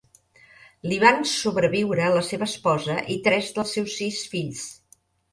Li van sobreviure la seva esposa i tres dels seus sis fills.